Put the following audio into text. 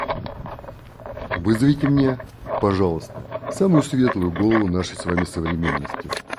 Вызовите мне, пожалуйста, самую светлую голову нашей с вами современности.